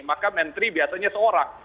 maka menteri biasanya seorang